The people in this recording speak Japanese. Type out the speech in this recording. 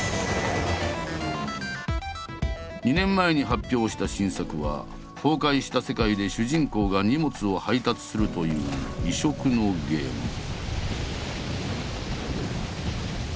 ２年前に発表した新作は崩壊した世界で主人公が荷物を配達するという異色のゲーム。